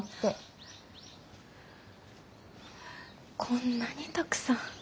こんなにたくさん。